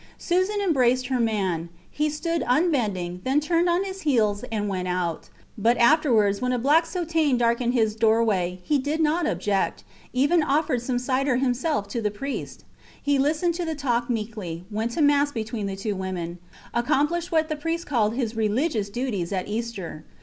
Susan embraced her man. He stood unbending, then turned on his heels and went out. But afterwards, when a black soutane darkened his doorway, he did not object; even offered some cider himself to the priest. He listened to the talk meekly; went to mass between the two women; accomplished what the priest called his religious duties at Easter.